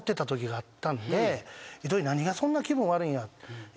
「糸井何がそんな気分悪いんや？」